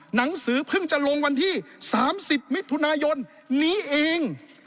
หนังสือเพิ่งจะลงวันที่๓๐มิถุนายนนี้เอง